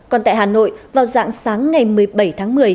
còn tại hà nội vào dạng sáng ngày một mươi bảy tháng một mươi